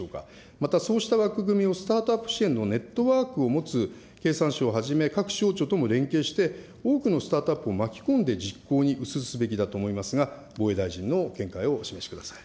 またそうした枠組みをスタートアップ支援のネットワークを持つ経産省をはじめ各省庁とも連携して、多くのスタートアップを巻き込んで実行に移すべきだと思いますが、防衛大臣の見解をお示しください。